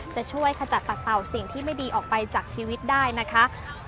จะช่วยขจัดปัดเป่าสิ่งที่ไม่ดีออกไปจากชีวิตได้นะคะ